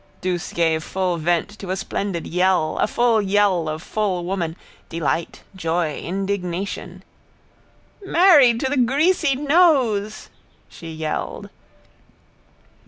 Douce gave full vent to a splendid yell, a full yell of full woman, delight, joy, indignation. —Married to the greasy nose! she yelled.